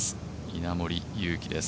稲森佑貴です。